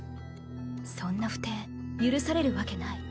そんな不貞許されるわけない。